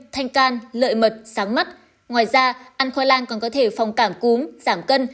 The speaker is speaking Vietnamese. thanh can lợi mật sáng mắt ngoài ra ăn khoai lang còn có thể phòng cảm cúm giảm cân